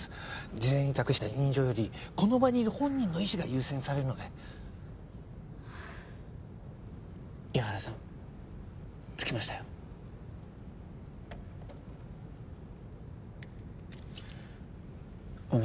事前に託した委任状よりこの場にいる本人の意思が優先されるので伊原さん着きましたよお水